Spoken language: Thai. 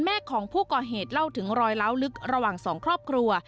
แม่ของผู้ก่อเหตุเล่าถึงรอยล้าวลึกระหว่างสองครอบครัว